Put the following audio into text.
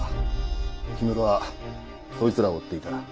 氷室はそいつらを追っていた。